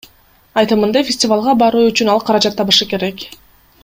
Айтымында, фестивалга баруу үчүн ал каражат табышы керек.